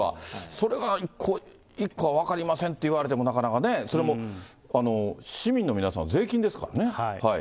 それが１個分かりませんって言われてもね、なかなかね、それも市民の皆さんの税金ですからね。